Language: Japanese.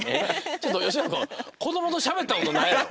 ちょっと吉村くんこどもとしゃべったことないの？